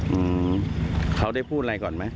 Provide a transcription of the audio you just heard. อืมเขาได้พูดอะไรก่อนไหม